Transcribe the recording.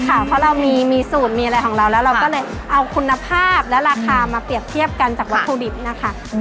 เพราะเรามีสูตรมีอะไรของเราแล้วเราก็เลยเอาคุณภาพและราคามาเปรียบเทียบกันจากวัตถุดิบนะคะ